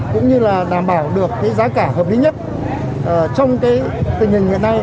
cũng như là đảm bảo được cái giá cả hợp lý nhất trong tình hình hiện nay